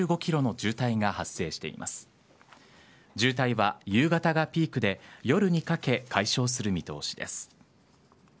渋滞は夕方がピークで夜にかけ、解消する見通しです。